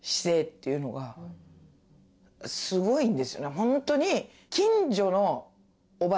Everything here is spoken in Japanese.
ホントに。